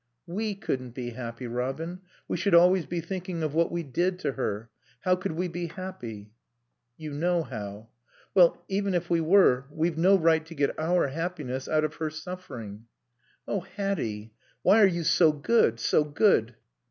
"We couldn't be happy, Robin. We should always be thinking of what we did to her. How could we be happy?" "You know how." "Well, even if we were, we've no right to get our happiness out of her suffering." "Oh, Hatty, why are you so good, so good?"